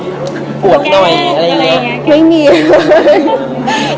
แกล้งเพื่อนไม่เคยได้เลย